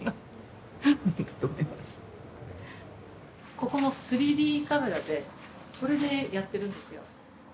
ここの３Ｄカメラでこれでやっているんですよ。